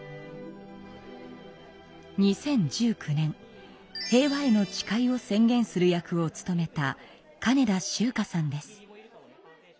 ２０１９年「平和への誓い」を宣言する役を務めた金田秋佳さんです。